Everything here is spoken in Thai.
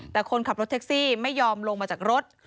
แต่คนขับรถแท็กซี่ไม่ยอมลงมาจากรถ